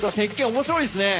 面白いですねえ！